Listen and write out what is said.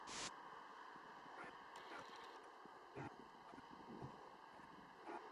The highway heads southward, heading along Keim Boulevard, and becomes maintained by Burlington County.